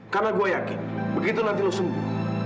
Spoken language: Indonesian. karena gue yakin begitu nanti lo sembuh